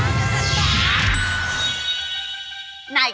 กลับให้ดูนะครับ